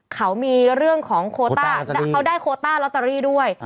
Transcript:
เขามีเรื่องของโคตาร็อตเตอรี่เขาได้โคตาร็อตเตอรี่ด้วย